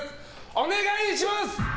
お願いします。